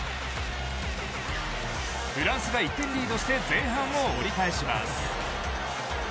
フランスが１点リードして前半を折り返します。